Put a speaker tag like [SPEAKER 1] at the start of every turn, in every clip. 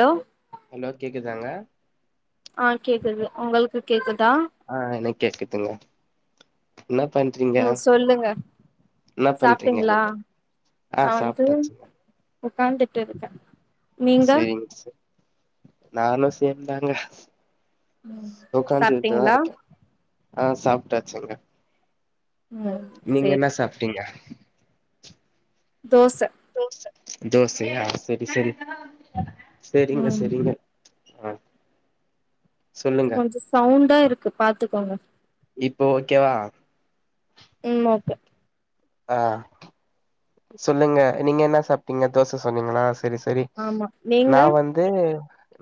[SPEAKER 1] hello
[SPEAKER 2] hello கேக்குதாங்க
[SPEAKER 1] ஆஹ் கேக்குது உங்களுக்கு கேக்குதா
[SPEAKER 2] ஆஹ் எனக்கு கேக்குதுங்க என்ன பண்றீங்க
[SPEAKER 1] ம் சொல்லுங்க
[SPEAKER 2] என்ன பண்றீங்க
[SPEAKER 1] சாப்ட்டீங்களா
[SPEAKER 2] நீங்க ஆஹ் சாப்ட்டாச்சு
[SPEAKER 1] உக்காந்து
[SPEAKER 2] சேரிங்க சேரி நானு சேத்தாங்க உக்காந்துட்டுதா
[SPEAKER 1] சாப்ட்டீங்களா
[SPEAKER 2] இருக்க ஆ சாப்ட்டாச்சுங்க
[SPEAKER 1] ம்
[SPEAKER 2] நீங்க
[SPEAKER 1] சேரி
[SPEAKER 2] என்ன சாப்ட்டிங்க
[SPEAKER 1] தோச
[SPEAKER 2] தோச தோசயா சரி சரி சரிங்க
[SPEAKER 1] ம்
[SPEAKER 2] சரிங்க ஆ சொல்லுங்க
[SPEAKER 1] கொஞ்ச சவுண்டா இருக்கு பாத்துக்கோங்க
[SPEAKER 2] இப்போ ஓகேவா
[SPEAKER 1] ம் ஓகே
[SPEAKER 2] ஆ சொல்லுங்க நீங்க என்ன சாப்ட்டீங்க தோச சொன்னீங்னா செரி செரி
[SPEAKER 1] ஆமா நீங்க
[SPEAKER 2] நா வந்து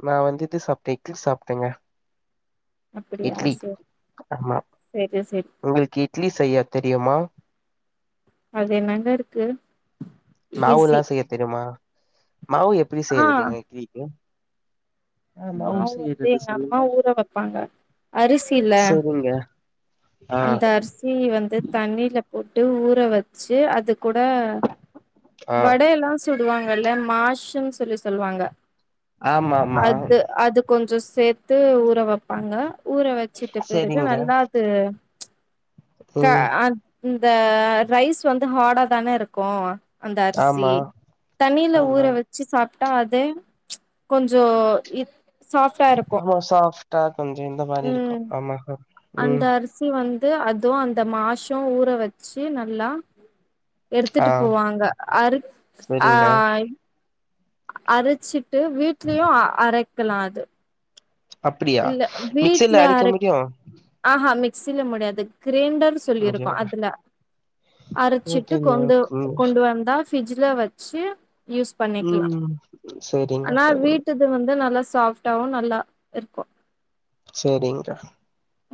[SPEAKER 2] நா வந்து இது சாப்ட்டே இட்லி சாப்ட்டேங்க
[SPEAKER 1] அப்படியா
[SPEAKER 2] இட்லி
[SPEAKER 1] சேரி
[SPEAKER 2] ஆமா
[SPEAKER 1] சேரி சேரி
[SPEAKER 2] உங்ளுக்கு இட்லி செய்ய தெரியுமா
[SPEAKER 1] அது என்னங்க இருக்கு ஈஸி
[SPEAKER 2] மாவுல்லா செய்ய தெரியுமா மாவு எப்டி
[SPEAKER 1] ஆ
[SPEAKER 2] செய்யறதுங்க இட்லிக்கு ஆ
[SPEAKER 1] மாவு வந்து
[SPEAKER 2] செய்யறது
[SPEAKER 1] எங்க அம்மா
[SPEAKER 2] சொல்லுங்க
[SPEAKER 1] ஊற வப்பாங்க அரிசில்ல
[SPEAKER 2] செரிங்க ஆ
[SPEAKER 1] அந்த அரிசி வந்து தண்ணில போட்டு ஊற வச்சு அது கூட
[SPEAKER 2] ஆ
[SPEAKER 1] வடையெல்லா சு சுடுவாங்கல்லே மாஸ்னு சொல்லி சொல்லுவாங்க
[SPEAKER 2] ஆமாமா
[SPEAKER 1] அது அது கொஞ்ச சேத்து ஊற வப்பாங்க ஊற வச்சுட்டு பிறகு
[SPEAKER 2] செரிங்க
[SPEAKER 1] நல்லா ந்து க
[SPEAKER 2] ம்
[SPEAKER 1] அந் இந்த ரைஸ் வந்து ஹாடா தானே இருக்கு அந்த அரிசி
[SPEAKER 2] ஆமா
[SPEAKER 1] தண்ணிலே ஊற
[SPEAKER 2] ஆமா
[SPEAKER 1] வச்சு சாப்ட்டா அது கொஞ்சோ இ சாஃப்டா இருக்கு
[SPEAKER 2] ப்ப சாஃப்டா கொஞ்ச இந்த மாரி இருக்கு
[SPEAKER 1] ம்
[SPEAKER 2] ஆமா ம்
[SPEAKER 1] அந்த அரிசி வந் து அதுவு அந்த மாஸு ஊற வச்சு நல்லா எடுத்துட்டு
[SPEAKER 2] ஆ
[SPEAKER 1] போவாங்க அரு ஆ
[SPEAKER 2] செரிங்க
[SPEAKER 1] அருச்சிட்டு வீட்லயு அ அரைக்கலா அது
[SPEAKER 2] அப்டியா
[SPEAKER 1] இல்ல வீட்ல
[SPEAKER 2] மிக்சில அரிக்க
[SPEAKER 1] அரைக்
[SPEAKER 2] முடியு
[SPEAKER 1] ஆஹா மிக்சிலே முடியாது கிரைண்டர் சொல்லிருக்கு
[SPEAKER 2] முடியாதா
[SPEAKER 1] அதுல அரைச்சிட்டு
[SPEAKER 2] ஓகேங்க
[SPEAKER 1] கொண்டு
[SPEAKER 2] ஓகேங்க
[SPEAKER 1] கொண்டு வந்தா ஃபிரிட்ஜில வச்சு யூஸ் பண்ணிக்கலா
[SPEAKER 2] ம் செரிங்க
[SPEAKER 1] ஆனா
[SPEAKER 2] செரிங்க
[SPEAKER 1] வீட்டு து வந்து நல்லா சாஃப்ட்டாவு நல்லா இருக்கு
[SPEAKER 2] செரிங்க்கா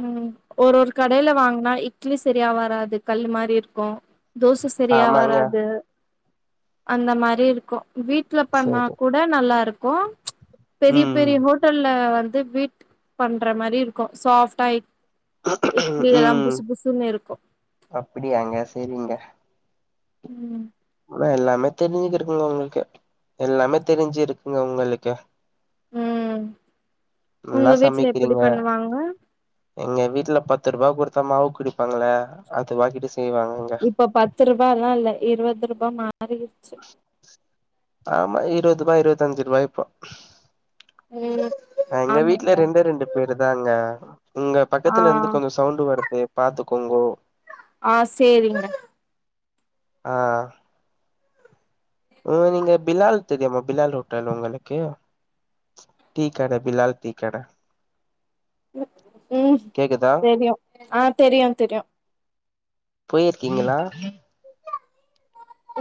[SPEAKER 1] ம் ஒரு ஒரு கடைல வாங்குனா இட்லி சரியா வராது கல்லு மாரி இருக்கு தோச சரியா
[SPEAKER 2] ஆமாங்க
[SPEAKER 1] வராது அந்த மாரி இருக்கு வீட்ல பண்ணா
[SPEAKER 2] செரி
[SPEAKER 1] கூ ட நல்லாருக்கு பெரிய
[SPEAKER 2] ம்
[SPEAKER 1] பெரிய ஹோட் டல்ல வந்து வீட் பண்ற மாரி இருக்கு சாப்ட்டா இ இட்லி எல்லா புசு புசுன்னு இருக்கு
[SPEAKER 2] அப்படியாங்க செரிங்க
[SPEAKER 1] ம்
[SPEAKER 2] ஆனா எல்லாமே தெரிஞ்சிக்குறிங்க உங்களுக்கு எல்லாமே தெரிஞ்சி இருக்குங்க உங்களுக்கு
[SPEAKER 1] ம் உங்க
[SPEAKER 2] நல்லா
[SPEAKER 1] வீட்ல எப்படி
[SPEAKER 2] சமைக்கிறீங்க
[SPEAKER 1] பண்ணுவாங்க
[SPEAKER 2] எங்க வீட்டுல பத்து ரூபா குடுத்தா மாவு குடிப்பாங்கள அது வாங்கிட்டு செய்வாங்க
[SPEAKER 1] இப்ப பத்து ரூபாலா இல்ல இருவது ரூபா மாறிருச்சு
[SPEAKER 2] ஆமா இருவதூபா இருவத்தஞ்சு ரூபா இப்போ
[SPEAKER 1] ம்
[SPEAKER 2] எங்க
[SPEAKER 1] ஆமாங்க
[SPEAKER 2] வீட்ல ரெண்டே ரெண்டு பேருதாங்க உங்க
[SPEAKER 1] ஆ
[SPEAKER 2] பக்கத்துல இருந்து கொஞ்சம் சவுண்டு வருது பாத்துக்கோங்கோ
[SPEAKER 1] ஆ சேரிங்க
[SPEAKER 2] ஆ உ நீங்க பிலால் தெரியுமா பிலால் ஹோட்டல் உங்களுக்கு டீ கடை பிலால் டீ கடை
[SPEAKER 1] ம்
[SPEAKER 2] கேக்குதா
[SPEAKER 1] தெரியு ஆ தெரியு தெரியு
[SPEAKER 2] போயிருக்கீங்ளா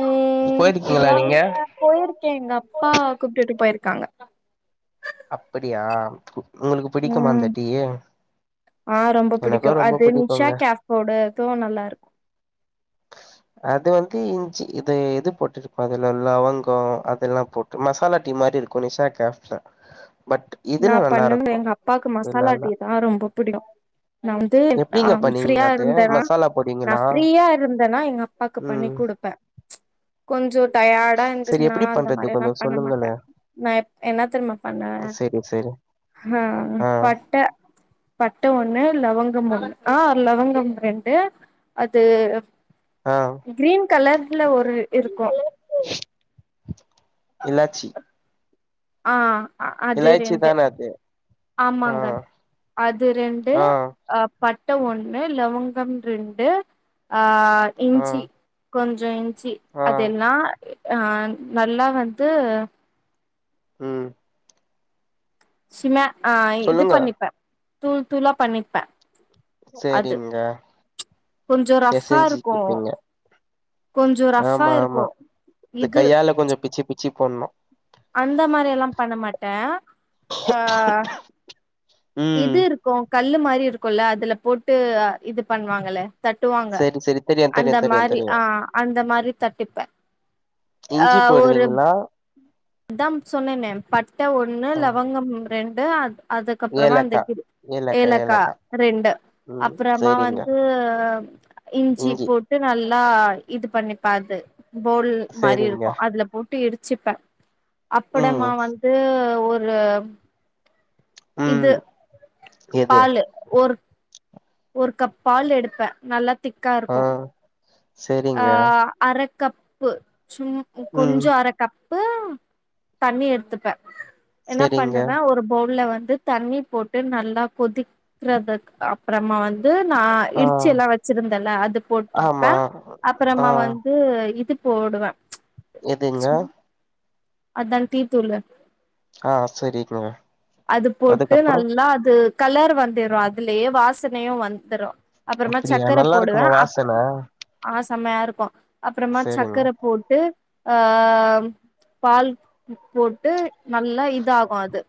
[SPEAKER 1] ம்
[SPEAKER 2] போயிருக்கீங்களா
[SPEAKER 1] பெரும்பாலு
[SPEAKER 2] நீங்க
[SPEAKER 1] நா போயிருக்கே எங்க அப்பா கூப்ட்டுட்டு போய்ருக்காங்க
[SPEAKER 2] அப்டியா உங்களுக்கு பிடிக்குமா
[SPEAKER 1] ம்
[SPEAKER 2] அந்த டீ ய
[SPEAKER 1] ஆ ரொம்ப பிடிக்கு அது மிஷா
[SPEAKER 2] பிடிக்குங்க
[SPEAKER 1] கஃப் ஓட இதுவு நல்லாருக்கு
[SPEAKER 2] அது வந்து இஞ்சி இது இது போட்ருபாங்கல்ல லவங்க அதெல்லா போட் மசாலா டீ மாரி இருக்கு நிஷா கேப்ல பட்
[SPEAKER 1] நா
[SPEAKER 2] இதுல நல்லா
[SPEAKER 1] பண்ணுவ
[SPEAKER 2] இருக்கு
[SPEAKER 1] எங்க அப்பாக்கு மசாலா
[SPEAKER 2] இதுலல்லா
[SPEAKER 1] டீ தா ரொம்ப புடிக்கு நா வந்து ஆ
[SPEAKER 2] எப்டிங்க பண்ணுவீங்க
[SPEAKER 1] ஃப்ரீயா
[SPEAKER 2] அது
[SPEAKER 1] இருந்தனா
[SPEAKER 2] மசாலா
[SPEAKER 1] நா
[SPEAKER 2] போடுவீங்களா
[SPEAKER 1] ஃப்ரீயா இருந்தனா எங்க அப் பாக்க பண்ணி
[SPEAKER 2] ம்
[SPEAKER 1] குடுப்ப கொஞ்சோ டயார்ட்
[SPEAKER 2] சரி
[SPEAKER 1] பயந்ச்சன்னா
[SPEAKER 2] எப்டி
[SPEAKER 1] அந்த
[SPEAKER 2] பண்றது
[SPEAKER 1] மாரில்லா
[SPEAKER 2] கொஞ்சோ
[SPEAKER 1] பண்ண மாட்ட
[SPEAKER 2] சொல்லுங்களே
[SPEAKER 1] நா என்ன தெரிமா பண்ண
[SPEAKER 2] செரி
[SPEAKER 1] ஹலோ பட்ட பட்ட ஒண்ணு லவங்க ஒண்ணு ஆ லவங்க ரெண்டு அது
[SPEAKER 2] ஆ
[SPEAKER 1] கிரீன் கலர்ல ஒரு இருக்கு
[SPEAKER 2] இல்லாச்சி
[SPEAKER 1] ஆ அது
[SPEAKER 2] இலாச்சி
[SPEAKER 1] ரெண்டு
[SPEAKER 2] தான அது ஆ
[SPEAKER 1] ஆமாங்க அது ரெண்டு
[SPEAKER 2] ஆ
[SPEAKER 1] அ பட்டை ஒண்ணு லவங்கம் ரெண்டு ஆ
[SPEAKER 2] ஆ
[SPEAKER 1] இஞ்சி கொஞ்சோ இஞ்ச்சி
[SPEAKER 2] ஆ
[SPEAKER 1] அதெல்லா நல்லா வந்து
[SPEAKER 2] ம்
[SPEAKER 1] சின ஆ இது
[SPEAKER 2] சொல்லுங்க
[SPEAKER 1] பண்ணிப்ப தூள் தூளா பண்ணிப்ப அது
[SPEAKER 2] சரிங்க
[SPEAKER 1] கொஞ்சோ ரஃப்பாருக்கு
[SPEAKER 2] பெசஞ்சிக்கிப்பீங்க
[SPEAKER 1] கொஞ்சோ ரஃபா
[SPEAKER 2] ஆமா
[SPEAKER 1] இருக்கு
[SPEAKER 2] ஆமா
[SPEAKER 1] இது
[SPEAKER 2] கையால கொஞ்சோ பிச்சி பிச்சி போட்ணு
[SPEAKER 1] அந்த மாரி எல்லா பண்ண மாட்ட ஆ
[SPEAKER 2] ம்
[SPEAKER 1] இது இருக்கு கல்லு மாரி இருக்குல அதுல போட்டு இது பண்ணுவாங்கல தட்டுவாங்க
[SPEAKER 2] சரி சரி தெரியு தெரியு
[SPEAKER 1] அந்த
[SPEAKER 2] தெரியு
[SPEAKER 1] மாரி
[SPEAKER 2] தெரியு
[SPEAKER 1] ஆ அந்த மாரி தட்டிப்ப
[SPEAKER 2] இஞ்சி போடுவீங்களா
[SPEAKER 1] அதா சொன்னனே பட்டை ஒண்ணு
[SPEAKER 2] ஆ
[SPEAKER 1] லவங்கம் ரெண்டு அ அதுக்கு அப்பறமா
[SPEAKER 2] ஏலக்கா
[SPEAKER 1] அந்தக் இது ஏலக்கா ரெண்டு
[SPEAKER 2] ம்
[SPEAKER 1] அப்பறமா
[SPEAKER 2] சரிங்க
[SPEAKER 1] வந்து இஞ்சி போட் நல்லா இது பண்ணிப்பாது போல் மாரி
[SPEAKER 2] சரிங்க
[SPEAKER 1] இருக்கு அதுல போட் வி இடிச்சுப்ப
[SPEAKER 2] ம்
[SPEAKER 1] அப்புடமா வந்து ஒரு இது
[SPEAKER 2] ம் எது
[SPEAKER 1] பாலு ஒரு ஒரு கப் பால் எடுப்ப நல்லா திக்கா
[SPEAKER 2] ஆ
[SPEAKER 1] இருக்கு ஆ
[SPEAKER 2] சரிங்க
[SPEAKER 1] அரக்கப்பு சும்
[SPEAKER 2] ம்
[SPEAKER 1] கொஞ்சோ அர கப் ம் தண்ணி எடுத்துப்ப என்ன
[SPEAKER 2] சரிங்க
[SPEAKER 1] பண்ணுவ ஒரு பவுல வந்து தண்ணி போட்டு நல்லா கொதிக்கறதுக் அப்பறமா வந்து து நா
[SPEAKER 2] ஆ
[SPEAKER 1] இடிச்சி எல்லா வச்சிருந்தல்ல அது போட்ருப்ப
[SPEAKER 2] ஆமா ஆ
[SPEAKER 1] அப்பறமா வந்து இது போடுவ
[SPEAKER 2] எதுங்க
[SPEAKER 1] அதா டீ தூளு
[SPEAKER 2] ஆ சரிங்க
[SPEAKER 1] அது போட்டு
[SPEAKER 2] அதுக்கப்புறோ
[SPEAKER 1] நல்லா அது கலர் வந்துரு அதுலயே வாசனையு வந்துரு அப்பறமா
[SPEAKER 2] அப்டியா
[SPEAKER 1] சக்கர
[SPEAKER 2] நல்லா
[SPEAKER 1] போடுவ
[SPEAKER 2] இருக்குமா
[SPEAKER 1] அப்
[SPEAKER 2] வாசன
[SPEAKER 1] ஆ செம்மையா இருக்கு அப்பறமா
[SPEAKER 2] சரிங்க
[SPEAKER 1] சக்கர போட்டு ஆ பால் போட்டு நல்லா இது ஆகு அது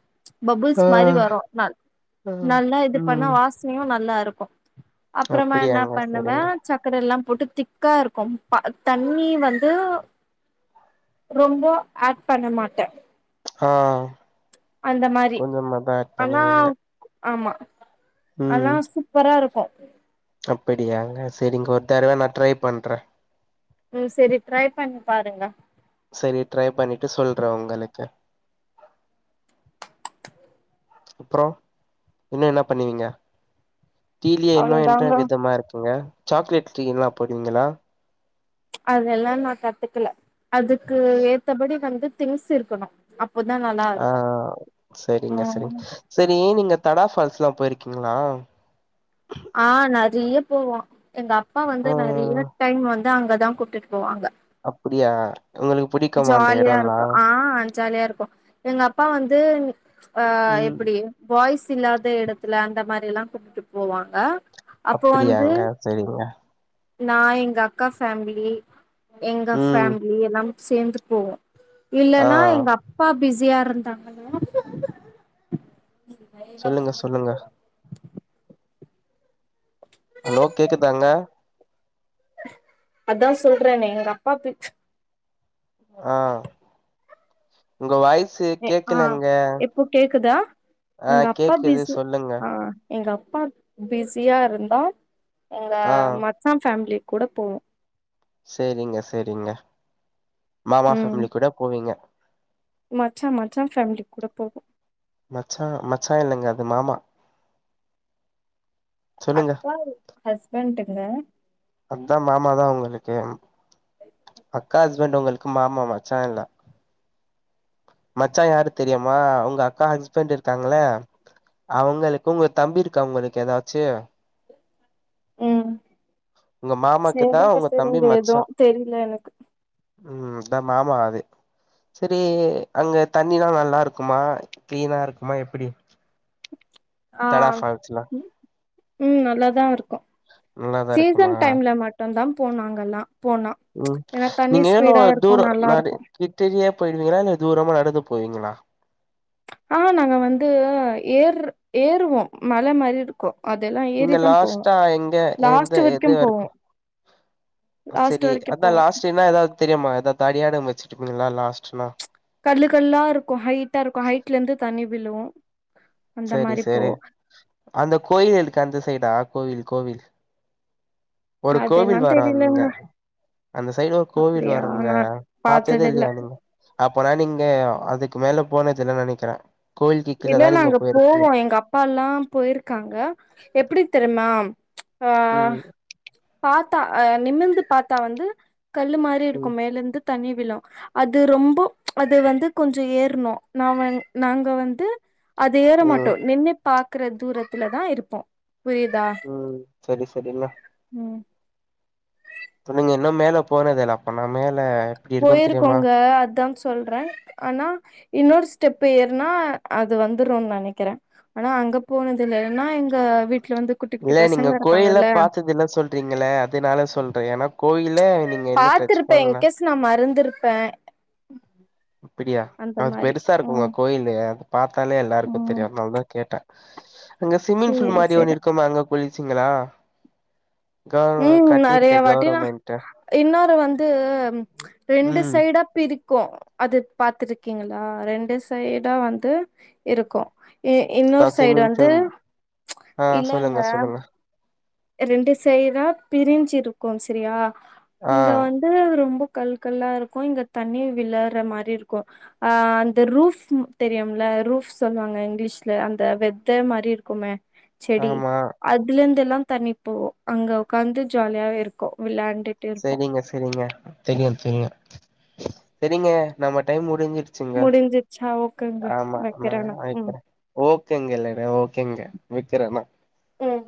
[SPEAKER 1] பபுள்ஸ்
[SPEAKER 2] ஆ
[SPEAKER 1] மாரி வரு நள்
[SPEAKER 2] ஆ
[SPEAKER 1] நல்லா இது பண்ணா
[SPEAKER 2] ம்
[SPEAKER 1] வாசனையு நல்லா இருக்கு அப்பறமா என்னா
[SPEAKER 2] அப்படியாங்க
[SPEAKER 1] பண்ணுவே
[SPEAKER 2] சரிங்க
[SPEAKER 1] சக் கர எல்லா போட்டு திக்கா இருக்கு ப தண்ணி வந்து ரொம்போ ஆட் பண்ண மாட்டே
[SPEAKER 2] ஹா
[SPEAKER 1] அந்த மாரி
[SPEAKER 2] கொஞ்சமா தா ஆட்
[SPEAKER 1] ஆனா
[SPEAKER 2] பண்ணுவீங்க
[SPEAKER 1] ஆமா
[SPEAKER 2] ம்
[SPEAKER 1] அனா சூப்பரா இருக்கு
[SPEAKER 2] அப்படியாங்க செரிங்க ஒரு தரவ நா ட்ரை பண்ற
[SPEAKER 1] ம் செரி ட்ரை பண்ணி பாருங்க
[SPEAKER 2] செரி ட்ரை பண்ணிட்டு சொல்ற உங்களுக்கு அப்றோ இன்னு என்ன பண்ணுவீங்க டீலயே இன்னு என்ற
[SPEAKER 1] அவ்ளோதாங்க
[SPEAKER 2] விதமா இருக்குங்க சாக்லேட் டீ எல்லா போடுவீங்களா
[SPEAKER 1] அதெல்லா நா கத்துக்கல அதுக்கு ஏத்தபடி வந்து திங்ஸ் இருக்கணு அப்போதா நல்லா
[SPEAKER 2] ஆ
[SPEAKER 1] இருக்கு
[SPEAKER 2] சரிங்க சரிங் சரி நீங்க தடா ஃபால்ஸ்ல்லா போயிருக்கீங்களா
[SPEAKER 1] ஆ நெறைய போவோ எங்க அப்பா வந்து
[SPEAKER 2] ம்
[SPEAKER 1] நெறைய டைம் வந்து அங்கதா கூட்டிட்டு போவாங்க
[SPEAKER 2] அப்டியா உங்களு
[SPEAKER 1] ஜாலியா இருக்கு ஆ ஜாலியா இருக்கு எங்க அப்பா வந்து ஆ
[SPEAKER 2] ம்
[SPEAKER 1] எப்புடி பாய்ஸ் இல்லாத எடத்துல அந்த மாரி எல்லா கூப்டு போவாங்க அப்போ வந்து
[SPEAKER 2] அப்டியாங்க செரிங்க
[SPEAKER 1] நா எங்க அக்கா ஃபேமிலி எங்க
[SPEAKER 2] ம்
[SPEAKER 1] ஃபேமிலி எல்லா சேந்து போவோ
[SPEAKER 2] ஆ
[SPEAKER 1] இல்லன்னா எங்க அப்பா பிஸியா இருந்தாங்கனா
[SPEAKER 2] சொல்லுங்க சொல்லுங்க ஹலோ கேக்குதாங்க
[SPEAKER 1] அதா சொல்றனே எங்க அப்பா பி
[SPEAKER 2] ஆ உங்க வாய்சு
[SPEAKER 1] ஆ
[SPEAKER 2] கேக்கலங்க
[SPEAKER 1] இப்போ கேக்குதா
[SPEAKER 2] ஆ
[SPEAKER 1] எங்க அப்பா
[SPEAKER 2] கேக்குது
[SPEAKER 1] பிஸி
[SPEAKER 2] சொல்லுங்க
[SPEAKER 1] ஆ எங்க அப்பா பிஸியா இருந்தா எங்க
[SPEAKER 2] ஆ
[SPEAKER 1] மச்சா ஃபேமிலி கூட போவோ
[SPEAKER 2] செரிங்க செரிங்க மாமா
[SPEAKER 1] ம்
[SPEAKER 2] ஃபேமிலி கூட போவீங்க
[SPEAKER 1] மச்சா மச்சா ஃபேமிலி கூட போவோ
[SPEAKER 2] மச்சா மச்சா இல்லங்க அது மாமா சொல்லுங்க
[SPEAKER 1] அக்கா ஹஸ்பண்டுங்க
[SPEAKER 2] அதா மாமா தா உங்களுக்கு
[SPEAKER 1] [inaudible]
[SPEAKER 2] அக்கா ஹஸ்பண்ட் உங்களுக்கு மாமா மச்சா இல்ல மச்சா யாரு தெரியுமா உங்க அக்கா ஹஸ்பண்ட் இருக்காங்களே அவங்களுக்கு உங்க தம்பி இருக்கா உங்களுக்கு எதாச்சு
[SPEAKER 1] ம்
[SPEAKER 2] உங்க மாமாக்கு தா
[SPEAKER 1] செரிங்க
[SPEAKER 2] உங்க தம்பி
[SPEAKER 1] செரிங்க எதுவு
[SPEAKER 2] மச்சா
[SPEAKER 1] தெரில எனக்கு
[SPEAKER 2] ம் தா மாமா அது செரி அங்கே தண்ணிலா நல்லா இருக்குமா க்ளீனா இருக்குமா எப்டி
[SPEAKER 1] ஆ
[SPEAKER 2] தடா ஃபால்ஸ்லா
[SPEAKER 1] ம் நல்லாதா இருக்கு
[SPEAKER 2] நல்லாதா
[SPEAKER 1] சீசன்
[SPEAKER 2] இருக்குமா
[SPEAKER 1] டைம்ல மட் ரந்தம் போனாங்கல்லா போனா
[SPEAKER 2] உம்
[SPEAKER 1] ஏன்னா தண்ணி
[SPEAKER 2] நீங்க ஏனோ
[SPEAKER 1] ஸ்பீடா இருக்கு
[SPEAKER 2] தூரோ
[SPEAKER 1] நல்லா
[SPEAKER 2] மாரி
[SPEAKER 1] இருக்கு
[SPEAKER 2] கிட்டிலயே போயிடுவீங்ளா இல்ல தூரமா நடந்து போவீங்களா
[SPEAKER 1] ஆ நாங்க வந்து ஏர் ஏறுவோ மழ மாதிரி இரு
[SPEAKER 2] நீங்க லாஸ்டா எங்க எந்த
[SPEAKER 1] லாஸ்ட்
[SPEAKER 2] எது
[SPEAKER 1] போவோ
[SPEAKER 2] வரைக்கு
[SPEAKER 1] லாஸ்ட்
[SPEAKER 2] செரி
[SPEAKER 1] வரைக்கு
[SPEAKER 2] அதா
[SPEAKER 1] போவோ
[SPEAKER 2] லாஸ்ட்னா ஏதாவது தெரியுமா ஏதாவது அடியாள வச்சிருக்கீங்ளா லாஸ்ட்னா
[SPEAKER 1] கல்லு கல்லா இருக்கு ஹைட்டா இருக்கு ஹைட்ல இருந்து தண்ணி விழுவூ
[SPEAKER 2] சரி சரி அந்த கோயில் இருக்கு அந்த சைடா கோவில் கோவில் ஒரு
[SPEAKER 1] அதெல்லா
[SPEAKER 2] கோவில் வரோ அங்க
[SPEAKER 1] தெரிலங்க
[SPEAKER 2] அந்த சைடு ஒரு கோவில்
[SPEAKER 1] அப்டியா
[SPEAKER 2] வருங்க
[SPEAKER 1] நா
[SPEAKER 2] பாத்ததே
[SPEAKER 1] பாத்ததில்ல
[SPEAKER 2] இல்லையா நீங்க அப்பனா நீங்க அதுக்கு மேல போனது இல்லனு நெனைக்கிறே கோவில்க்கு கீழ
[SPEAKER 1] இல்ல
[SPEAKER 2] தா நீங்க
[SPEAKER 1] நாங்க
[SPEAKER 2] போயிருக்கீங்க
[SPEAKER 1] போவோ எங்க அப்பா எல்லா போயிருக்காங்க எப்டி தெரிமா ஆ
[SPEAKER 2] உம்
[SPEAKER 1] பாத்தா அ நிமிந்து பாத்தா வந்து கல்லு மாரி இருக்கு
[SPEAKER 2] ம்
[SPEAKER 1] மேலந்து தண்ணி விழு அது ரொம்போ அது வந்து கொஞ்சோ ஏர்ணு நா வந் நாங்க வந்து அது ஏற மாட்டோ
[SPEAKER 2] ம்
[SPEAKER 1] நின்னு பாக்குற தூரத்துல தா இருப்போ புரிதா
[SPEAKER 2] சரி சரிங்க
[SPEAKER 1] உம்
[SPEAKER 2] நீங்க இன்னும் மேல போனது இல்ல அப்பன்ன மேல எப்டி இருக்குன் தெரியுமா
[SPEAKER 1] போயிருக்கோங்க அதா சொல்றே ஆனா இன்னொரு ஸ்டெப் ஏறுனா அது வந்துரும்னு நெனைக்கிறே ஆனா அங்க போனது இல்ல இல்லன்னா எங்க வீட்ல வந்து குட்டி குட்டி
[SPEAKER 2] இல்ல நீங்க
[SPEAKER 1] பசங்க
[SPEAKER 2] கோயிலே
[SPEAKER 1] இருக்காங்கல்ல
[SPEAKER 2] பாத்தது இல்ல சொல் ட் நீங்களே அதா சொல்றே ஏன்னா கோயிலே நீங்க இன்னும் டச்
[SPEAKER 1] பாத்திருப்பே
[SPEAKER 2] பண்ணல
[SPEAKER 1] இன்கேஸ் நா மறந்திருப்பே
[SPEAKER 2] அப்டியா
[SPEAKER 1] அந்த
[SPEAKER 2] அது
[SPEAKER 1] மாரி
[SPEAKER 2] பெருசா இருக்குங்க
[SPEAKER 1] ம்
[SPEAKER 2] கோயிலு அது பாத்தாலே எல்லாருக்கு
[SPEAKER 1] ம்
[SPEAKER 2] தெரியு அதனாலதா கேட்டே அங்க சிம்மிங்ஃபூல்
[SPEAKER 1] சேரி
[SPEAKER 2] மாதிரி
[SPEAKER 1] சேரி
[SPEAKER 2] ஒண்ணு இருக்கும்மா அங்க குளிச்சிங்ளா
[SPEAKER 1] ம் நெறைய வாட்டிணா இன்னொரு வந்து ச் ரெண்டு
[SPEAKER 2] ம்
[SPEAKER 1] சைடா பிரிச் க்கும் அது பாத்ருக்கீங்களா ரெண்டு சைடா வந்து இருக்கு
[SPEAKER 2] அதா
[SPEAKER 1] இன்னொரு சைடு
[SPEAKER 2] ஸ்விம்மிங்
[SPEAKER 1] வந்து
[SPEAKER 2] பூல் ஆ
[SPEAKER 1] இல்லங்க
[SPEAKER 2] சொல்லுங்க சொல்லுங்க
[SPEAKER 1] ரெண்டு சைடா பிரிஞ்சிருக்கு சரியா
[SPEAKER 2] ஆ
[SPEAKER 1] இங்க வந்து ம்ம் ரொம்ப கல்கல்லா இருக்கு இங்க தண்ணீர் விளர்ற மாரி இருக்கு அ அந்த ரூஃப் தெரியும்ல ரூஃப் சொல்வாங்க இங்கிலீஷ்ல அந்த வெத்த மாரி இருக்கு குமெ செடி
[SPEAKER 2] ஆமா
[SPEAKER 1] அதுல இருந்து எல்லா தண்ணி போவூம் அங்க உக்காந்து ஜாலியாவே இருக்கு வெளாண்டு
[SPEAKER 2] சேரிங்க சரிங்க தெரியு தெரியு சரிங்க நம்ம டைம் முடிஞ்சிருச்
[SPEAKER 1] முடிஞ்சுச்சா
[SPEAKER 2] ஆமா ஆமா வக்கிறே ஓகேங்க ல்லடா ஓகேங்க வக்கிறே
[SPEAKER 1] உம்